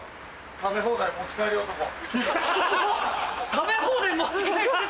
食べ放題持ち帰りで。